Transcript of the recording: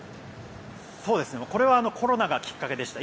これはコロナがきっかけでした。